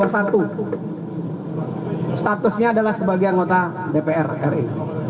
statusnya adalah sebagai anggota dpr ri